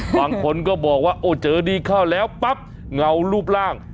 บางคนก็บอกว่าโอ้เจอดีเข้าแล้วปั๊บเงารูปร่าง